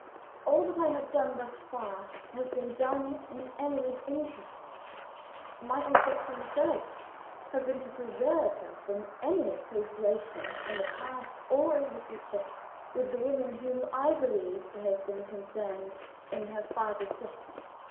All that I have done thus far, has been done in Emily's interests. My object, from the first, has been to preserve her from any association in the past or in the future with the woman whom I believe to have been concerned in her father's death.